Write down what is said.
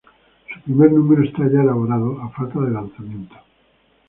Su primer número está ya elaborado, a falta de lanzamiento.